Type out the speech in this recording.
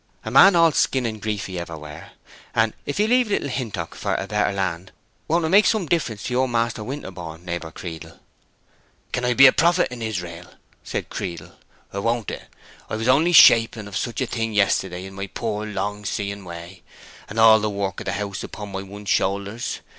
A man all skin and grief he ever were, and if he leave Little Hintock for a better land, won't it make some difference to your Maister Winterborne, neighbor Creedle?" "Can I be a prophet in Israel?" said Creedle. "Won't it! I was only shaping of such a thing yesterday in my poor, long seeing way, and all the work of the house upon my one shoulders!